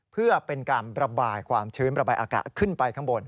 เพื่อเป็นการระบายความชื้นระบายอากาศขึ้นไปข้างบน